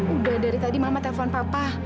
udah dari tadi mama telepon papa